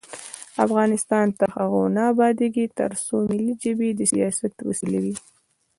افغانستان تر هغو نه ابادیږي، ترڅو ملي ژبې د سیاست وسیله وي.